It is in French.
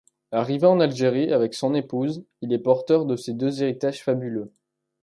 Arrivé en Algérie avec son épouse, il est porteur de ces deux héritages fabuleux.